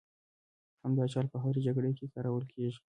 همدا چل په هرې جګړې کې کارول کېږي.